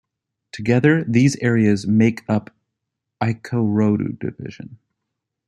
Together these areas make up Ikorodu Division.